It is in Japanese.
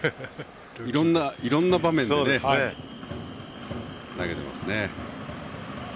いろんな場面で投げてますね。